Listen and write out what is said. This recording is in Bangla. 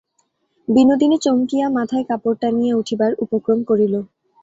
বিনোদিনী চমকিয়া মাথায় কাপড় টানিয়া উঠিবার উপক্রম করিল।